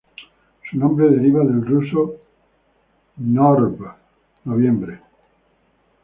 Su nombre deriva del ruso Ноябрь, "noviembre".